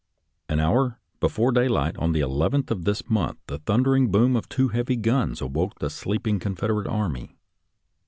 An hour before daylight on the 11th of this month the thundering boom of two heavy guns awoke the sleeping Confederate army.